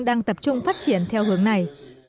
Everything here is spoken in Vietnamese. đang tập trung phát triển theo hướng này